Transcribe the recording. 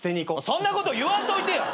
そんなこと言わんといてや。